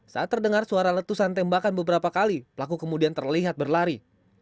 saat terdengar suara letusan tembakan beberapa kali pelaku kemudian terlihat berlari